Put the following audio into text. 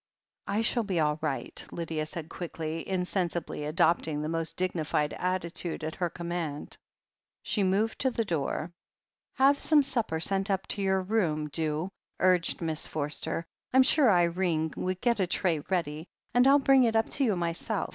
"I shall be all right," Lydia said quiddy — ^insensi bly adopting the most dignified attitude at her com mand. i84 THE HEEL OF ACHILLES She moved to the door. "Have some supper sent up to your room, do," urged Miss Forster. "Fm sure Irene would get a tray ready, and ril bring it up to you myself.